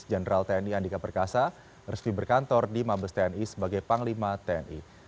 jenderal tni andika perkasa resmi berkantor di mabes tni sebagai panglima tni